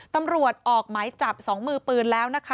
ตำรวจออกหมายจับ๒มือปืนแล้วนะคะ